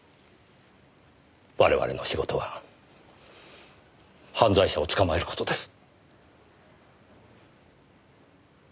我々の仕事は犯罪者を捕まえる事です。